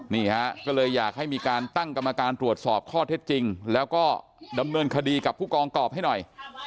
นี่ฮะก็เลยอยากให้มีการตั้งกรรมการตรวจสอบข้อเท็จจริงแล้วก็ดำเนินคดีกับผู้กองกรอบให้หน่อย